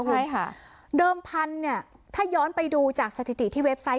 ใช่ค่ะเดิมพันธุ์เนี่ยถ้าย้อนไปดูจากสถิติที่เว็บไซต์